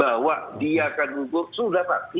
bahwa dia akan gugur sudah pasti